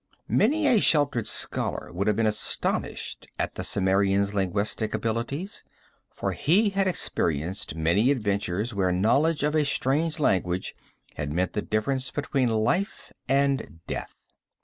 Many a sheltered scholar would have been astonished at the Cimmerian's linguistic abilities, for he had experienced many adventures where knowledge of a strange language had meant the difference between life and death.